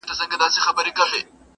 زه وېرېږم خپل قسمت به مي رقیب سي٫